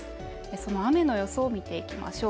その雨の予想を見ていきましょう。